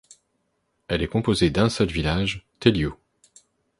Elle est composée d'un seul village, Teliu.